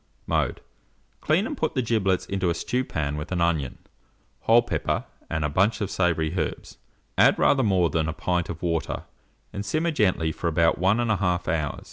Mode. Clean, and put the giblets into a stewpan with an onion, whole pepper, and a bunch of savoury herbs; add rather more than a pint of water, and simmer gently for about 1 1/2 hour.